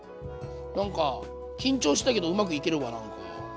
なんか緊張したけどうまくいけるかな。